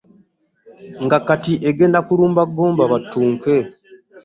Nga kati egenda kulumba Gomba battunke.